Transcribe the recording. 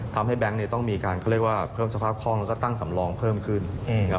ทำให้แบงค์ต้องมีการเพิ่มสภาพคล่องแล้วก็ตั้งสำรองเพิ่มขึ้น